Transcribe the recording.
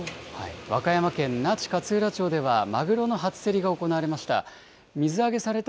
和歌山県那智勝浦町では、マグロの初競りが行われました。